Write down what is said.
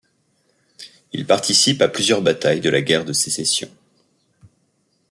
Il participe à plusieurs batailles de la guerre de Sécession.